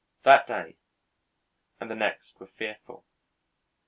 That day and the next were fearful.